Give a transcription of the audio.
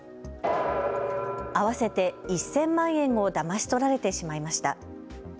合わせて１０００万円をだまし取られてしまいました。